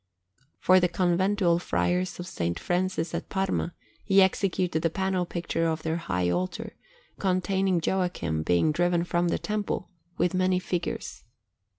For the Conventual Friars of S. Francis at Parma he executed the panel picture of their high altar, containing Joachim being driven from the Temple, with many figures.